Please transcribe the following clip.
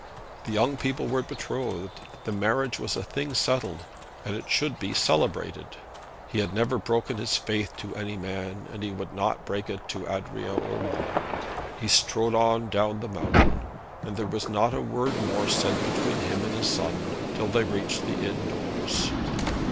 The young people were betrothed. The marriage was a thing settled, and it should be celebrated. He had never broken his faith to any man, and he would not break it to Adrian Urmand. He strode on down the mountain, and there was not a word more said between him and his son till they reached the inn doors.